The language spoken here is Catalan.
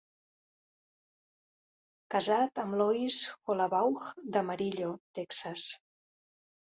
Casat amb Lois Hollabaugh d'Amarillo (Texas).